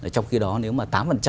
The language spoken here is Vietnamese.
trong khi đó nếu mà tám